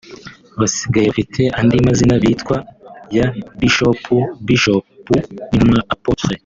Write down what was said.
basigaye bafite andi mazina bitwa ya Bishopu “Bishop” n’intumwa “Apotre”